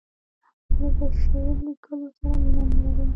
زه د شعر لیکلو سره مینه نه لرم.